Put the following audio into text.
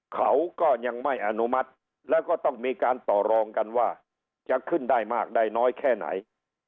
เขาก็ยังไม่อนุมัติแล้วก็ต้องมีการต่อรองกันว่าจะขึ้นได้มากได้น้อยแค่ไหน